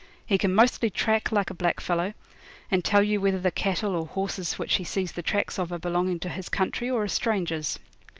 He can mostly track like a blackfellow, and tell you whether the cattle or horses which he sees the tracks of are belonging to his country or are strangers.